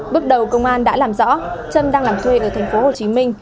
bước đầu công an đã làm rõ trâm đang làm thuê ở thành phố hồ chí minh